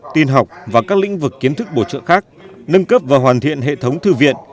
tin học và các lĩnh vực kiến thức bổ trợ khác nâng cấp và hoàn thiện hệ thống thư viện